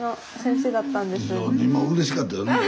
今うれしかったよね。